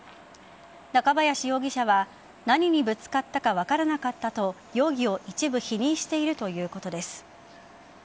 中林容疑者は何にぶつかったか分からなかったと容疑を一部否認しているということです。